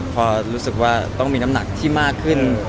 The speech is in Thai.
พอรู้สึกว่าต้องมีน้ำหนักที่มากขึ้น